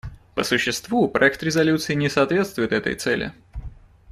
По существу, проект резолюции не соответствует этой цели.